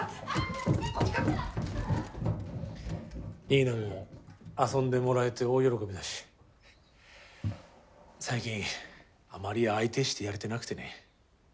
ニーナも遊んでもらえて大喜びだし最近あまり相手してやれてなくてね